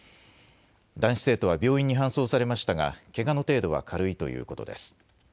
男子生徒は病院に搬送されましたが、けがの程度は軽いということです。